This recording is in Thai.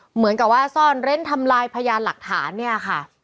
เหมือนกับว่าซ่อนเร้นทำลายพยานหลักฐานเนี่ยค่ะ